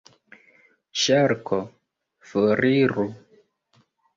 Ŝarko: "Foriru."